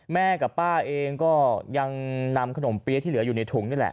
แม่กับป้าเองก็ยังนำขนมเปี๊ยะที่เหลืออยู่ในถุงนี่แหละ